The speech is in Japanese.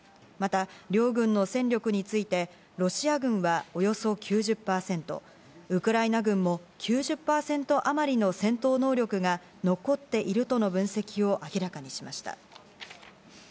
また、両軍の戦力についてロシア軍は、およそ９０％、ウクライナ軍も９０％あまりの戦闘能力が残っているとの分析を明らかにしました。